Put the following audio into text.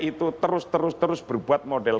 itu terus terus terus berbuat model